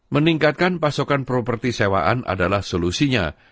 meningkatkan pasokan properti sewaan adalah solusinya